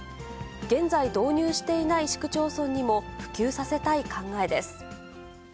現在導入していない市区町村にも普及させたい考えです。